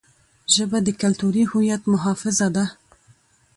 ژبه د کلتوري هویت محافظه ده.